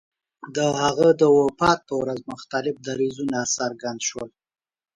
د هغه د وفات په ورځ مختلف دریځونه څرګند شول.